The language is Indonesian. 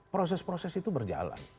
proses proses itu berjalan